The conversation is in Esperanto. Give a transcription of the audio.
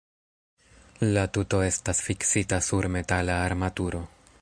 La tuto estas fiksita sur metala armaturo.